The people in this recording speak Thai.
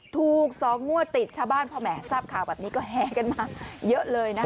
ถูกสองมั่วติดฉบานพระแหมสาบข้าวแบบนี้ก็แหงกันมาเยอะเลยนะครับ